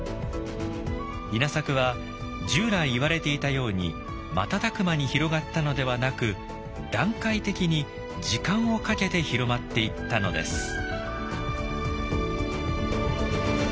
稲作は従来言われていたように瞬く間に広がったのではなく段階的に時間をかけて広まっていったのです。